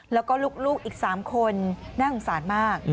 แล้วก็ลูกอีก๓คนน่าสงสารมาก